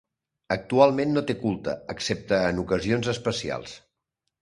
Actualment no té culte excepte en ocasions especials.